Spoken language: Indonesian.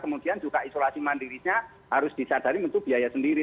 kemudian juga isolasi mandirinya harus dicadari bentuk biaya sendiri